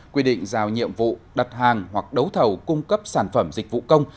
quy định giao nhiệm vụ đặt hàng hoặc đấu thầu cung cấp sản phẩm dịch vụ công